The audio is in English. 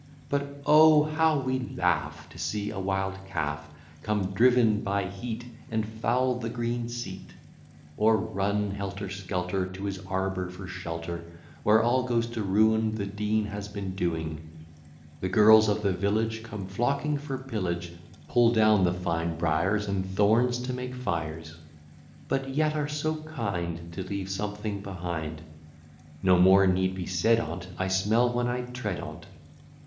But, O! how we laugh, To see a wild calf Come, driven by heat, And foul the green seat; Or run helter skelter, To his arbour for shelter, Where all goes to ruin The Dean has been doing: The girls of the village Come flocking for pillage, Pull down the fine briers And thorns to make fires; But yet are so kind To leave something behind: No more need be said on't, I smell when I tread on't.